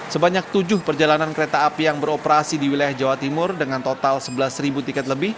sebanyak tujuh perjalanan kereta api yang beroperasi di wilayah jawa timur dengan total sebelas tiket lebih